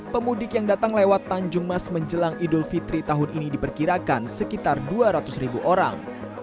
pemudik yang datang lewat tanjung mas menjelang idul fitri tahun ini diperkirakan sekitar dua ratus ribu orang